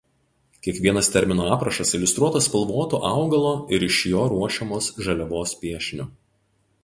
Kiekvienas termino aprašas iliustruotas spalvotu augalo ir iš jo ruošiamos žaliavos piešiniu.